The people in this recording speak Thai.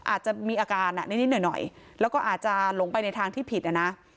อาจจะมีอาการนิดหน่อยแล้วก็อาจจะหลงไปในทางที่ผิดนะ